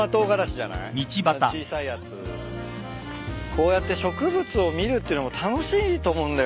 こうやって植物を見るっていうのも楽しいと思うんだよな。